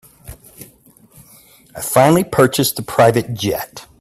I finally purchased a private jet.